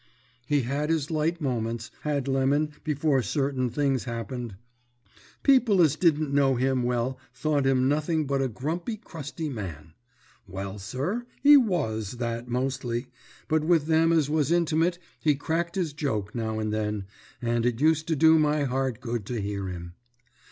"He had his light moments had Lemon before certain things happened. People as didn't know him well thought him nothing but a grumpy, crusty man. Well, sir, he was that mostly, but with them as was intimate he cracked his joke now and then, and it used to do my heart good to hear him.